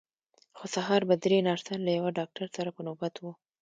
خو سهار به درې نرسان له یوه ډاکټر سره په نوبت وو.